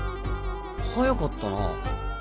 早かったな。